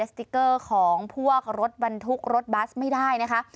สติ๊กเกอร์ของพวกรถบรรทุกรถบัสไม่ได้นะคะ